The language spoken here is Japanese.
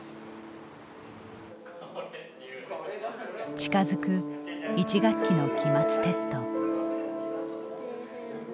近づく１学期の期末テスト。